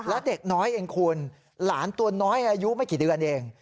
และเด็กน้อยเองคุณหลานตัวน้อยอายุไม่กี่เดือนเอง